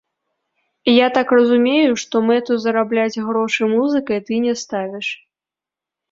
Я так разумею, што мэту зарабляць грошы музыкай ты не ставіш?